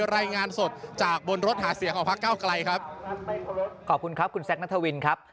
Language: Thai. รายงานสดจากบนรถหาเสียงของพักเก้าไกลครับขอบคุณครับคุณแซคนัทวินครับ